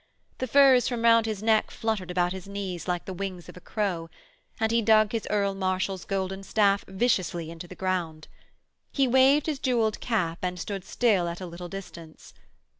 The furs from round his neck fluttered about his knees like the wings of a crow, and he dug his Earl Marshal's golden staff viciously into the ground. He waved his jewelled cap and stood still at a little distance.